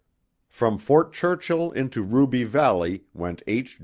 From Fort Churchill into Ruby Valley went H.